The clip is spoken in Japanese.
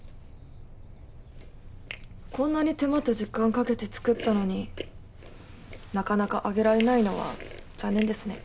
こんなに手間と時間をかけて作ったのになかなか上げられないのは残念ですね。